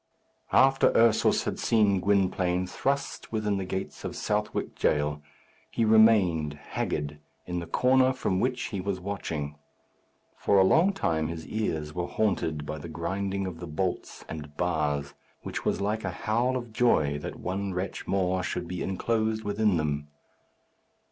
After Ursus had seen Gwynplaine thrust within the gates of Southwark Jail, he remained, haggard, in the corner from which he was watching. For a long time his ears were haunted by the grinding of the bolts and bars, which was like a howl of joy that one wretch more should be enclosed within them.